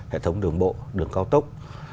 hệ thống đường bộ đường cao tốc